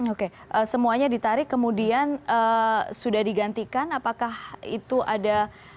oke semuanya ditarik kemudian sudah digantikan apakah itu ada